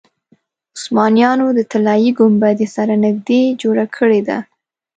عثمانیانو د طلایي ګنبدې سره نږدې جوړه کړې ده.